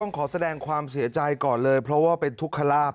ขอแสดงความเสียใจก่อนเลยเพราะว่าเป็นทุกขลาบ